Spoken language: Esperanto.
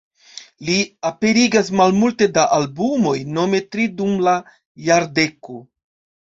Li aperigas malmulte da albumoj, nome tri dum la jardeko.